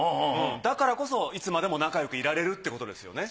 だからこそいつまでも仲よくいられるってことですよね。